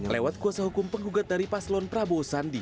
lewat kuasa hukum penggugat dari paslon prabowo sandi